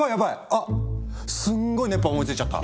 あっすんごい熱波思いついちゃった！